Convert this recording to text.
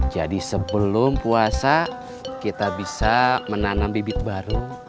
jadi sebelum puasa kita bisa menanam bibit baru